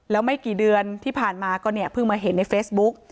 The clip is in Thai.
แล้วไม่กี่เดือนที่ผ่านมาก็เนี่ยเพิ่งมาเห็นในเฟซบุ๊ก